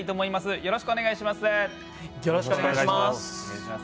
よろしくお願いします。